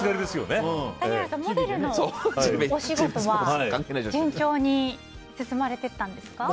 谷原さん、モデルのお仕事は順調に進まれていったんですか？